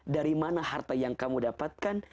dari mana harta yang kamu dapatkan